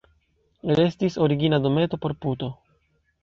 Restis origina dometo por puto.